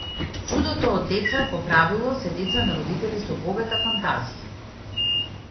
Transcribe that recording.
Чудото од деца, по правило, се деца на родители со богата фантазија.